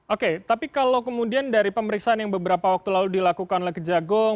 oke tapi kalau kemudian dari pemeriksaan yang beberapa waktu lalu dilakukan oleh kejagung